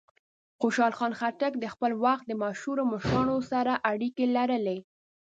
خوشحال خان خټک د خپل وخت د مشهورو مشرانو سره اړیکې لرلې.